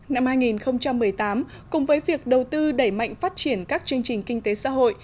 năm hai nghìn một mươi tám cùng với việc đầu tư đẩy mạnh phát triển các chương trình kinh tế xã hội